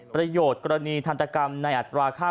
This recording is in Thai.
ประโยชน์กรณีทันตกรรมในอัตราค่า